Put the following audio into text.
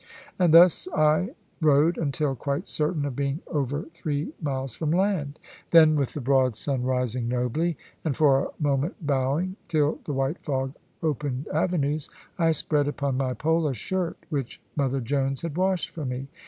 And thus I rowed, until quite certain of being over three miles from land. Then with the broad sun rising nobly, and for a moment bowing, till the white fog opened avenues, I spread upon my pole a shirt which mother Jones had washed for me.